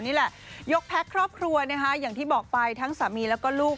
นี่แหละยกแพ็คครอบครัวนะคะอย่างที่บอกไปทั้งสามีแล้วก็ลูก